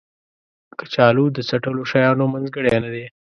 کچالو د څټلو شیانو منځګړی نه دی